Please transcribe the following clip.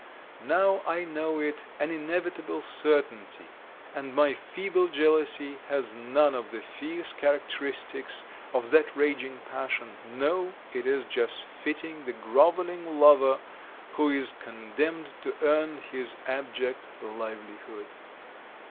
Now I know it an inevitable certainty, and my feeble jealousy has none of the fierce characteristics of that raging passion: no, it is just fitting the groveling lover who is condemned to earn his abject livelihood.